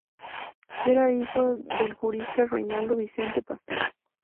Era hijo del jurista Reynaldo Vicente Pastor.